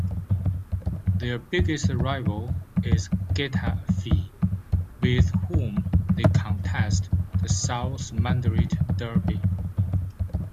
Their biggest rival is Getafe with whom they contest the South Madrid Derby.